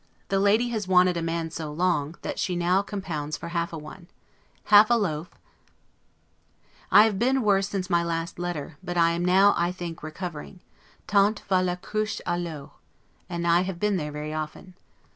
The lady has wanted a man so long, that she now compounds for half a one. Half a loaf I have been worse since my last letter; but am now, I think, recovering; 'tant va la cruche a l'eau'; and I have been there very often.